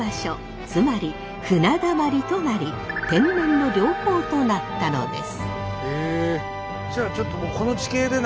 つまり船だまりとなり天然の良港となったのです。